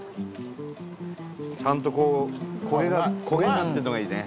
ちゃんと、こう焦げになってるのがいいね。